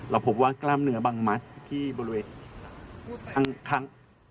พบว่ากล้ามเนื้อบังมัดที่บริเวณข้าง